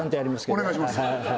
はいお願いします